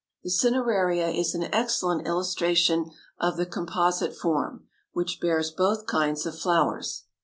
The cineraria is an excellent illustration of the composite form, which bears both kinds of flowers.